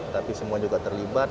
tapi semua juga terlibat